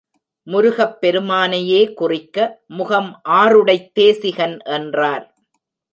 முருகப் பெருமானையே குறிக்க, முகம் ஆறுடைத் தேசிகன் என்றார்.